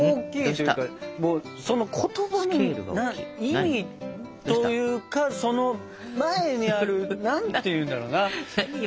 その言葉の意味というかその前にある何て言うんだろうな。